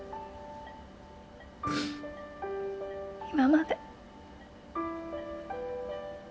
今まで。